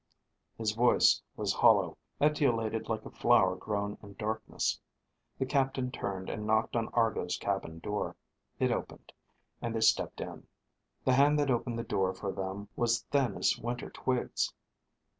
His voice was hollow, etiolated like a flower grown in darkness. The captain turned and knocked on Argo's cabin door. It opened, and they stepped in._ _The hand that opened the door for them was thin as winter twigs.